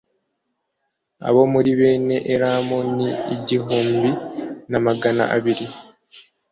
Abo muri bene Elamu ni igihumbi na magana abiri